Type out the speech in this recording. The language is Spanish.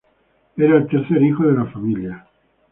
Era el tercer hijo de la familia.